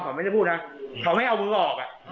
เขาไม่ได้พูดนะเขาไม่เอามือออก